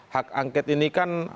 hak anget ini kan